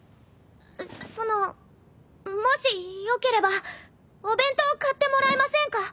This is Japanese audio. そのもしよければお弁当買ってもらえませんか？